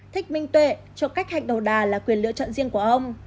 thích minh tuệ cho cách hạnh đầu đà là quyền lựa chọn riêng của ông